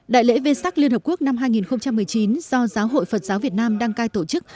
đại lễ vê sắc liên hợp quốc năm hai nghìn một mươi chín do giáo hội phật giáo việt nam đăng cai tổ chức